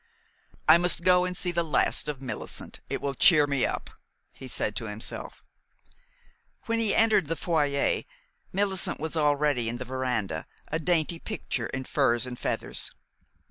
"I must go and see the last of Millicent. It will cheer me up," he said to himself. When he entered the foyer, Millicent was already in the veranda, a dainty picture in furs and feathers.